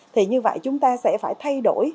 thì như vậy chúng ta sẽ phải thay đổi